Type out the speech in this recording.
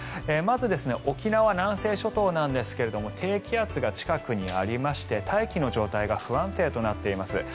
まず、沖縄、南西諸島なんですが低気圧が近くにありまして大気の状態が不安定となっています。